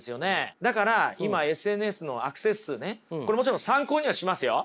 だから今ＳＮＳのアクセス数ねこれもちろん参考にはしますよ。